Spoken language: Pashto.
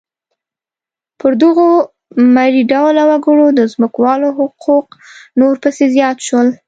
پر دغو مري ډوله وګړو د ځمکوالو حقوق نور پسې زیات شول.